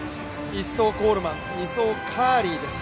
１走、コールマン、２走、カーリーです。